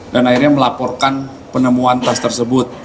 dan akhirnya melaporkan penemuan tas tersebut